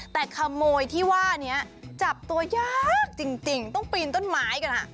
แต่ขโมยที่ว่านี้จับตัวยากจริงต้องปีนต้นไม้กันค่ะ